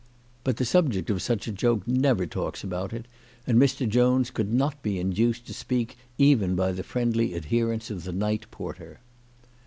But the subject of such a joke never talks about it, and Mr. Jones could not be induced to speak even by the friendly adherence of the night porter.